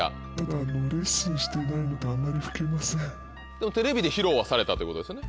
でもテレビで披露はされたということですよね？